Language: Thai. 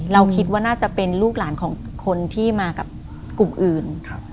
เราคิดว่าน่าจะเป็นลูกหลานของคนที่มากับกลุ่มอื่น